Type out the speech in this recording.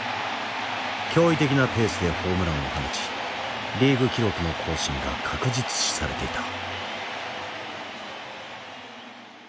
驚異的なペースでホームランを放ちリーグ記録の更新が確実視されていた。